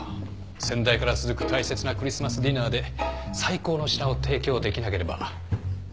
先代から続く大切なクリスマスディナーで最高の品を提供できなければ店を開けるべきではない。